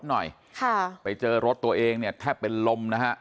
หน่อยค่ะไปเจอรถตัวเองเนี่ยแทบเป็นลมนะฮะ